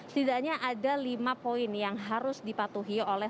setidaknya ada lima poin yang harus dipilih